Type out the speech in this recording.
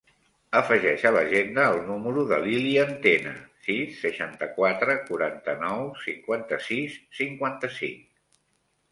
Afegeix a l'agenda el número de l'Ilyan Tena: sis, seixanta-quatre, quaranta-nou, cinquanta-sis, cinquanta-cinc.